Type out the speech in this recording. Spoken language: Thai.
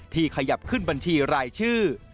ขยับขึ้นบัญชีรายชื่อ